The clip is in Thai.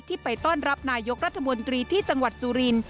ไปต้อนรับนายกรัฐมนตรีที่จังหวัดสุรินทร์